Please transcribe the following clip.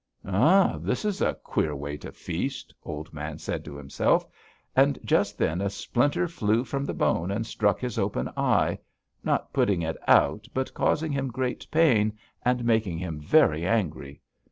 'Huh! This is a queer way to feast,' Old Man said to himself, and just then a splinter flew from the bone and struck his open eye, not putting it out, but causing him great pain and making him very angry.